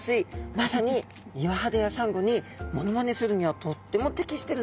まさに岩肌やサンゴにモノマネするにはとっても適してるんですね。